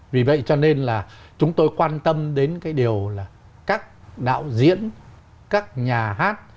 vì vậy cho nên là chúng tôi quan tâm đến cái điều là các đạo diễn các nhà hát